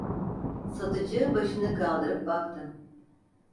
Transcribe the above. Satıcı başını kaldırıp baktı.